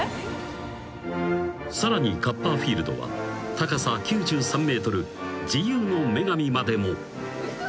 ［さらにカッパーフィールドは高さ９３ｍ自由の女神までも］